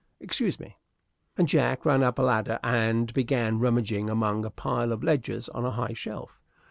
Excuse me!" And Jack ran up a ladder and began rummaging among a pile of ledgers on a high shelf.